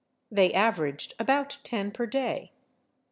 They averaged about ten per day.